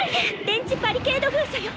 電磁バリケード封鎖よ！